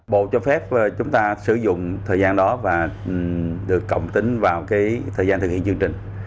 bộ cho phép chúng ta sử dụng thời gian đó và được cộng tính vào thời gian thực hiện chương trình